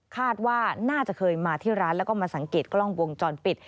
คาดว่าน่าจะเคยมาที่ร้านแล้วก็มาสังเกตกล้องวงจรปิด